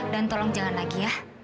tolong jangan lagi ya